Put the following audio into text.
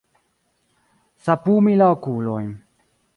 Sapumi la okulojn.